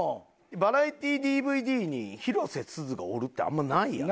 バラエティーＤＶＤに広瀬すずがおるってあんまないやん。